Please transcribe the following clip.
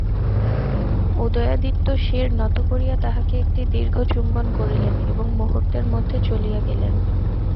উদয়াদিত্য শির নত করিয়া তাহাকে একটি দীর্ঘ চুম্বন করিলেন ও মুহূর্তের মধ্যে চলিয়া গেলেন।